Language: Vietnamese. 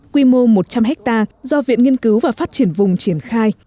quy mô một trăm linh ha do viện nghiên cứu và phát triển vùng triển khai